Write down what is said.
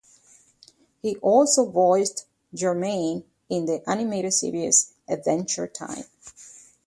He also voiced Jermaine in the animated series "Adventure Time".